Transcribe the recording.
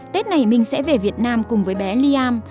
tết này minh sẽ về việt nam cùng với bé liam